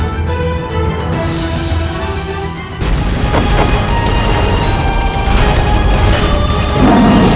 hidup raden walang susah